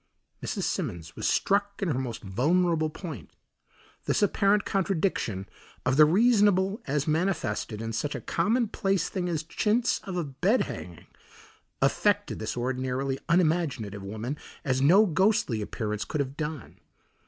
Mrs. Simmons was struck in her most vulnerable point. This apparent contradiction of the reasonable as manifested in such a commonplace thing as chintz of a bed hanging affected this ordinarily unimaginative woman as no ghostly appearance could have done.